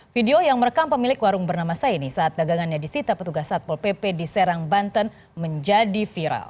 video yang merekam pemilik warung bernama saini saat dagangannya disita petugas satpol pp di serang banten menjadi viral